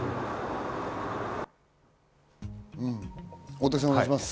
大竹さん、お願いします。